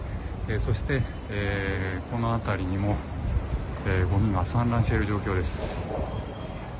そしてこの辺りにもごみが散乱している状況です。